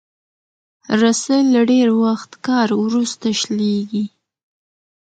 رسۍ له ډېر وخت کار وروسته شلېږي.